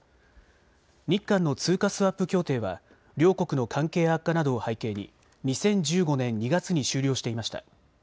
日韓の通貨スワップ協定は両国の関係悪化などを背景に２０１５年２月に終了していました。